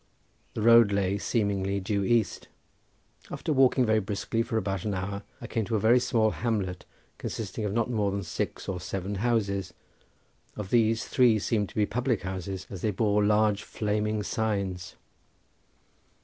The road lay, seemingly, due east. After walking very briskly for about an hour I came to a very small hamlet consisting of not more than six or seven houses; of these three seemed to be public houses, as they bore large flaming signs.